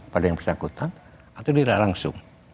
pada yang bersangkutan atau tidak langsung